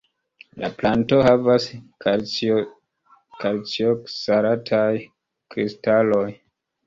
La planto havas kalcioksalataj-kristaloj.